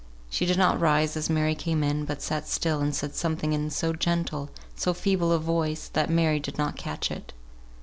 She did not rise as Mary came in, but sat still and said something in so gentle, so feeble a voice, that Mary did not catch it.